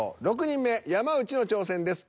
６人目山内の挑戦です。